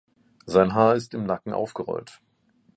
Sein Haar ist im Nacken aufgerollt.